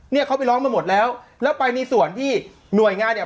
เนี่ยเขาไปร้องมาหมดแล้วแล้วไปในส่วนที่หน่วยงานเนี่ย